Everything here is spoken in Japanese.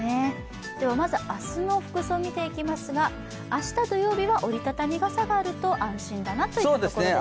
まず明日の服装見ていきますが明日土曜日は折りたたみ傘があると安心だなというところですね。